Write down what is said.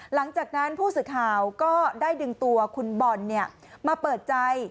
หลังจากนั้นผู้สื่อข่าวก็ได้ดึงตัวคุณบอลมาเปิดใจ